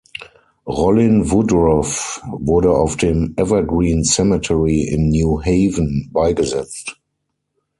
Rollin Woodruff wurde auf dem "Evergreen Cemetery" in New Haven beigesetzt.